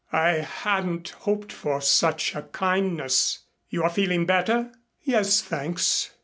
"I hadn't hoped for such a kindness. You are feeling better?" "Yes, thanks.